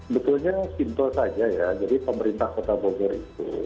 betulnya kintos saja ya jadi pemerintah kota bogor ini